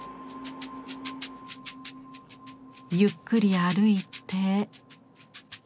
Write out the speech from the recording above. ゆっくり歩いて？